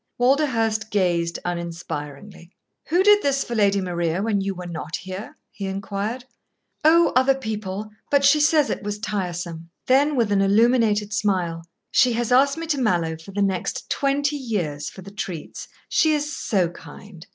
Walderhurst gazed uninspiringly. "Who did this for Lady Maria when you were not here?" he inquired. "Oh, other people. But she says it was tiresome." Then with an illumined smile; "She has asked me to Mallowe for the next twenty years for the treats. She is so kind."